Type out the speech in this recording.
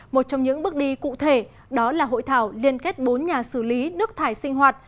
một trong những bước đi cụ thể đó là hội thảo liên kết bốn nhà xử lý nước thải sinh hoạt